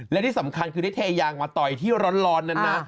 และที่สำคัญคือได้เทยางมาต่อยที่ร้อนนั้นนะ